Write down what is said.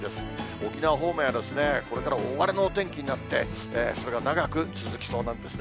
沖縄方面はこれから大荒れのお天気になって、それが長く続きそうなんですね。